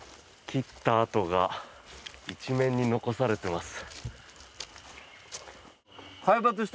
切った跡が一面に残されてます。